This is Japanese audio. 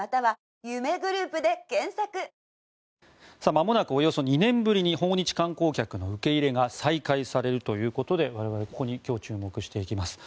まもなくおよそ２年ぶりに訪日観光客の受け入れが再開されるということで我々、ここに今日注目していきます。